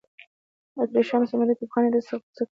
د اتریشیانو سمندري توپخانې دی سخت په غوسه کړی و.